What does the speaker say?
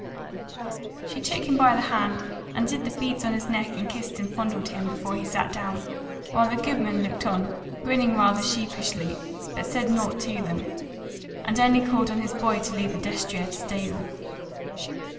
She took him by the hand and did the beads on his neck and kissed and fondled him before he sat down, while the goodman looked on, grinning rather sheepishly, but said nought to them; and only called on his boy to lead the destrier to stable.